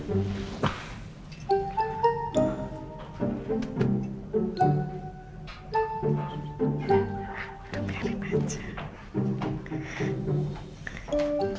udah pialin aja